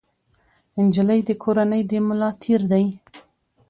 نجلۍ د کورنۍ د ملا تیر دی.